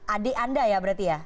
adik anda ya berarti ya